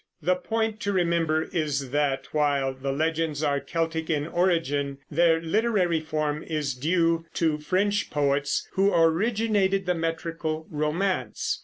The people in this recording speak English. The point to remember is that, while the legends are Celtic in origin, their literary form is due to French poets, who originated the metrical romance.